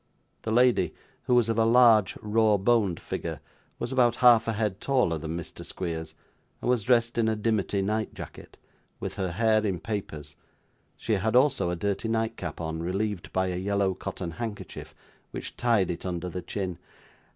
The lady, who was of a large raw boned figure, was about half a head taller than Mr. Squeers, and was dressed in a dimity night jacket; with her hair in papers; she had also a dirty nightcap on, relieved by a yellow cotton handkerchief which tied it under the chin.